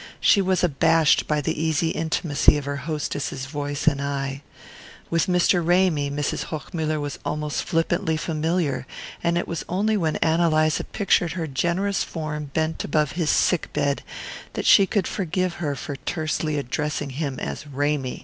She was abashed by the easy intimacy of her hostess's voice and eye. With Mr. Ramy Mrs. Hochmuller was almost flippantly familiar, and it was only when Ann Eliza pictured her generous form bent above his sick bed that she could forgive her for tersely addressing him as "Ramy."